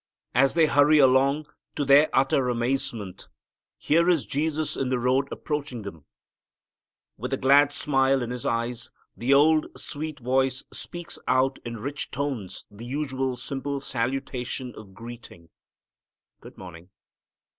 As they hurry along, to their utter amazement here is Jesus in the road approaching them. With a glad smile in His eyes, the old, sweet voice speaks out in rich tones the usual simple salutation of greeting, "Good morning."